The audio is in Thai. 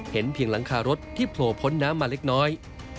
เห็นเพียงหลังคารถที่โผล่พ้นน้ำมาเล็กน้อย